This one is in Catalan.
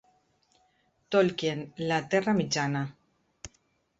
Tolkien, la terra Mitjana.